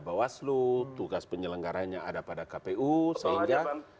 bawaslu tugas penyelenggaranya ada pada kpu sehingga